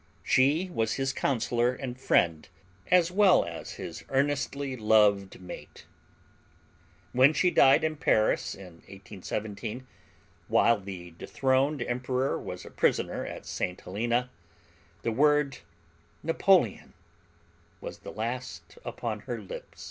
She was his counselor and friend as well as his earnestly loved mate. When she died in Paris in 1817, while the dethroned emperor was a prisoner at St. Helena, the word "Napoleon" was the last upon her lips.